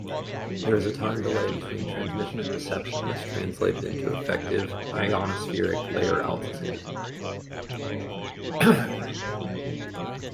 The time delay between transmission and reception is translated into effective ionospheric layer altitude.